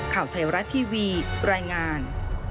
ข่าวไทยรัฐทีวีรายงาน